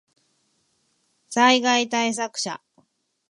災害対策車